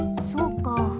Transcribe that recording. そうか。